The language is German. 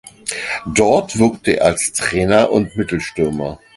Dort wirkte er als Trainer und Mittelstürmer.